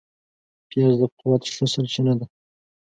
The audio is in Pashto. پیاز د قوت ښه سرچینه ده